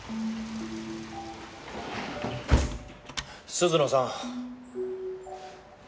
鈴野さん。